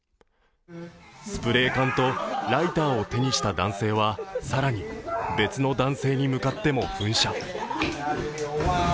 スプレー缶とライターを手にした男性は更に別の男性に向かっても噴射。